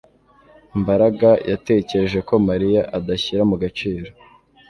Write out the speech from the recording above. Mbaraga yatekereje ko Mariya adashyira mu gaciro